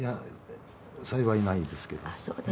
幸い、ないですけど。